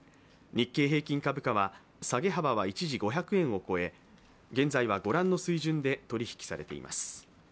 日経平均株価は下げ幅は一時５００円を超え、現在は御覧の水準で取引されています。